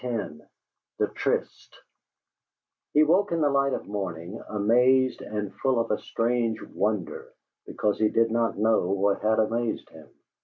X THE TRYST He woke to the light of morning amazed and full of a strange wonder because he did not know what had amazed him.